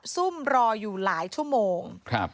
ซุ่มรออยู่หลายชั่วโมง